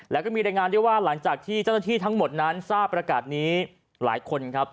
แล้วก็มีรายงานด้วยว่าหลังจากที่เจ้าหน้าที่ทั้งหมดนั้นทราบประกาศนี้หลายคนครับ